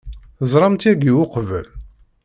Teẓram-tt yagi uqbel?